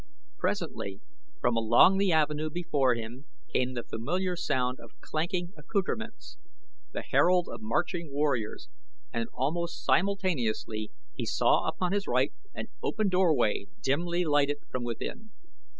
Presently from along the avenue before him came the familiar sound of clanking accouterments, the herald of marching warriors, and almost simultaneously he saw upon his right an open doorway dimly lighted from within.